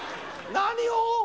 何を！